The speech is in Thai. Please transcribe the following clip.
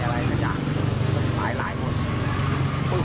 อะไรสักอย่างหลายมด